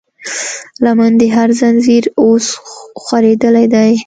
لمن د هر زنځير اوس خورېدلی دی